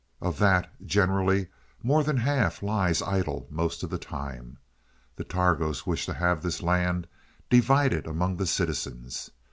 Of that, generally more than half lies idle most of the time. The Targos wish to have this land divided among the citizens.